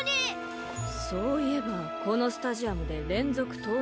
そういえばこのスタジアムでれんぞくとう